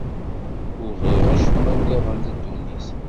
Ur bɣiɣ acemma-nniḍen di ddunit.